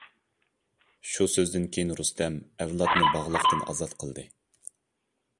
شۇ سۆزدىن كېيىن رۇستەم ئەۋلادنى باغلاقتىن ئازاد قىلدى.